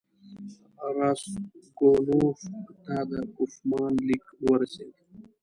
راسګونوف ته د کوفمان لیک ورسېد.